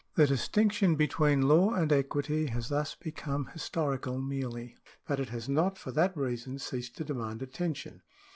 The distinction between law and equity has thus become historical merely, but it has not for that reason ceased to demand attention.